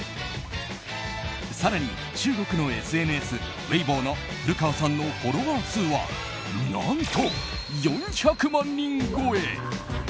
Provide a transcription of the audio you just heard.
更に中国のＳＮＳ、ウェイボーの古川さんのフォロワー数は何と４００万人超え。